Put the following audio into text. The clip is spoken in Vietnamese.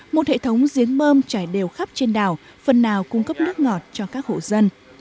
một hệ thống giếng bơm trải đều khắp trên đảo phần nào cung cấp nước ngọt cho các hộ dân